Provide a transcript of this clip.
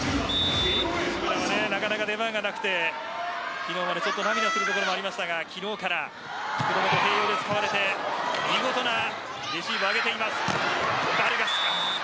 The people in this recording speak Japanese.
なかなか出番がなくて昨日までちょっと涙するところもありましたが昨日から福留と併用で使われて、見事なレシーブを上げています。